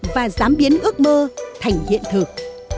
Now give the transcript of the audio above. và dám biến ước mơ thành hiện thực